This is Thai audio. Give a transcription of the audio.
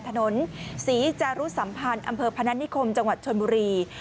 ถนนศรีจารุสัมพันธ์อำเภอพนัฐนิคมจังหวัดชนบุรี